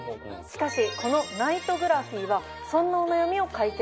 しかしこのナイトグラフィーはそんなお悩みを解決。